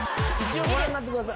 ご覧になってください。